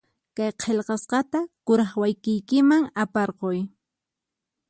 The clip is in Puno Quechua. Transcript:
Kay qillqasqata kuraq wayqiykiman aparquy.